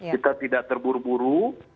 kita tidak terburu buru